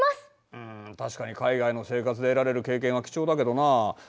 うん確かに海外の生活で得られる経験は貴重だけどな。